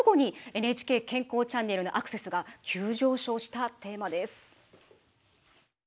「ＮＨＫ健康チャンネル」のアクセスが急上昇したテーマです。